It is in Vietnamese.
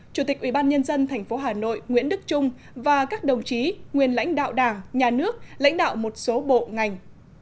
chủ tịch ủy ban nhân dân tp hà nội nguyễn đức trung và các đồng chí nguyên lãnh đạo đảng nhà nước lãnh đạo một số bộ ngành